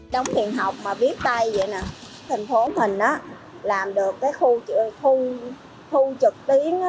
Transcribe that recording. trong thiền học mà viết tay vậy nè thành phố mình á làm được cái thu trực tiến